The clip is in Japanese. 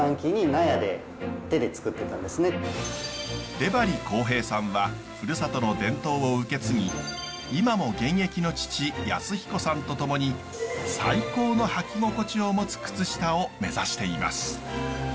出張耕平さんは故郷の伝統を受け継ぎ今も現役の父康彦さんと共に最高の履き心地を持つ靴下を目指しています。